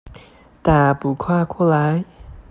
大步跨過來